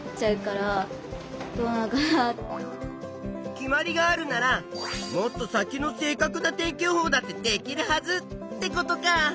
決まりがあるならもっと先の正かくな天気予報だってできるはずってことか。